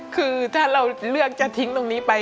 คือถ้าเราเลือกจะทิ้งตรงนี้ไป